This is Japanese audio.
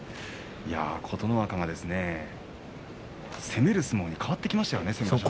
琴ノ若は攻める相撲に変わってきましたね。